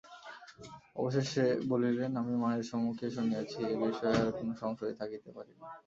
অবশেষে বলিলেন, আমি মায়ের স্বমুখে শুনিয়াছি–এ বিষয়ে আর কোনো সংশয় থাকিতে পারে না।